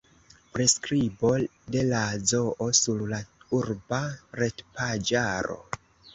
Priskribo de la zoo sur la urba retpaĝaro.